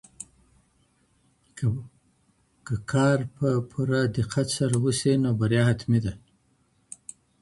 که کار په پوره دقت سره وسي نو بریا حتمي ده.